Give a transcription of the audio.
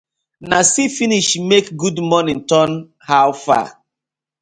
Na see finish make “good morning” turn “how far”: